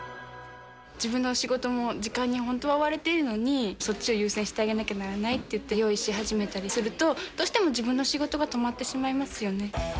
自分の仕事も、時間に本当追われているのに、そっちを優先してあげなきゃならないっていって、用意し始めたりすると、どうしても自分の仕事が止まってしまいますよね。